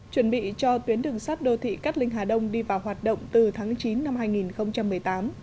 chuẩn bị cho tuyến đường sắt đô thị cát linh hà đông đi vào hoạt động từ tháng chín năm hai nghìn một mươi tám